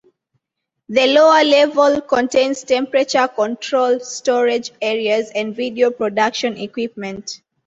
The lower level contains temperature-controlled storage areas and video production equipment.